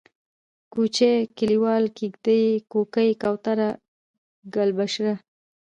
کوچۍ ، کليواله ، کيږدۍ ، کوکۍ ، کوتره ، گلبشره